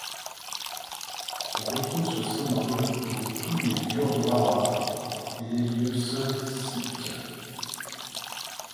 On retrouve ce symbole dans tous les gurdwārās et les lieux saint sikhs.